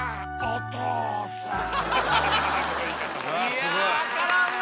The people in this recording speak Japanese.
いやー分からんわ